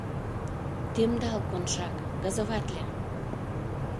— Темдал, Коншак, газоватле!